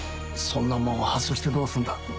そんなもん外してどうすんだ？